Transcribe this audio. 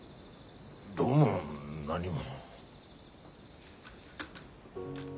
どうも何も。